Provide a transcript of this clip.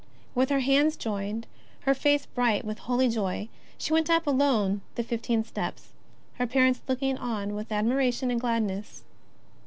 With her hands joined, her face bright with holy joy, she went up alone the fifteen steps, her parents looking on with ad miration and gladness.